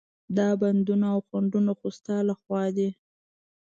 دا بندونه او خنډونه خو ستا له خوا دي.